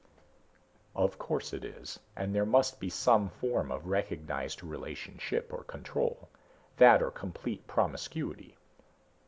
"Of course it is. And there must be some form of recognized relationship or control that or complete promiscuity.